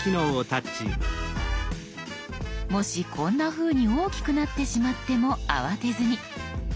もしこんなふうに大きくなってしまっても慌てずに。